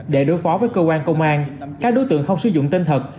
để đối phó với cơ quan công an các đối tượng không sử dụng tên thật